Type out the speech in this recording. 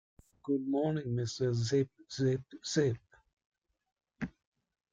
Good Morning Mr. Zip-Zip-Zip!